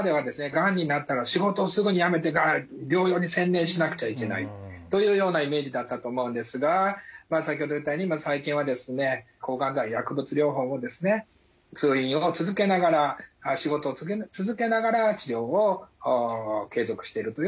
がんになったら仕事をすぐに辞めて療養に専念しなくちゃいけないというようなイメージだったと思うんですが先ほど言ったように最近はですね抗がん剤薬物療法をですね通院を続けながら仕事を続けながら治療を継続してるというのが多くなっていっています。